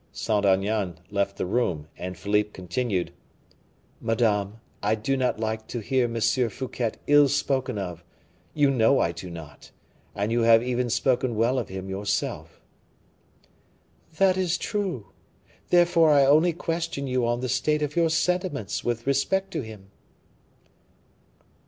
Saint Aignan left the room, and Philippe continued: "Madame, I do not like to hear M. Fouquet ill spoken of, you know I do not and you have even spoken well of him yourself." "That is true; therefore I only question you on the state of your sentiments with respect to him."